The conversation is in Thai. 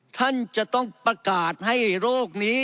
ท่านจะต้องประกาศให้โรคนี้